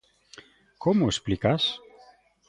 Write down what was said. Como o explicas?